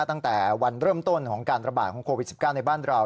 ตั้งแต่วันเริ่มต้นของการระบาดของโควิด๑๙ในบ้านเรา